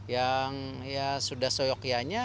yang sudah soyokianya